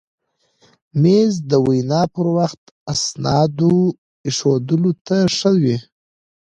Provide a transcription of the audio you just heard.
مېز د وینا پر وخت اسنادو ایښودلو ته ښه وي.